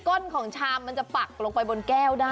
้นของชามมันจะปักลงไปบนแก้วได้